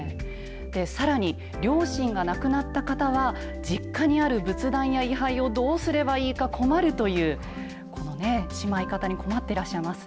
さらに、両親が亡くなった方は、実家にある仏壇や位はいをどうすればいいか困るという、このしまい方に困ってらっしゃいます。